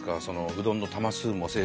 うどんの玉数も。